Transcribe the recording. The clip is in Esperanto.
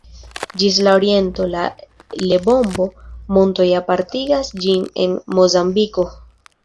Ĝis la oriento la Lebombo-Montoj apartigas ĝin de Mozambiko.